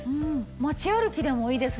街歩きでもいいですしね